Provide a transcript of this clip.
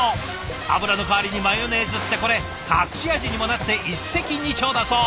油の代わりにマヨネーズってこれ隠し味にもなって一石二鳥だそう。